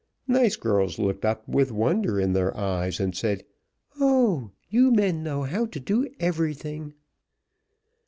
Nice girls looked up with wonder in their eyes and said, "Oh! You men know how to do everything!"